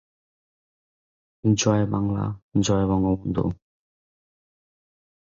দুই বছর পর তিনি সেলোনিকায় শিক্ষানবিশ ডিভিশনের স্টাফ কমান্ডার হন।